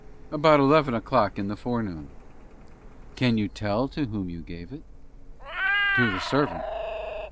"About eleven o'clock in the forenoon." "Can you tell to whom you gave it?" "To the servant."